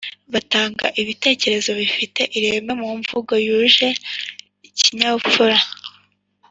batanga ibitekerezo bifite ireme mu mvugo yuje ikinyabupfura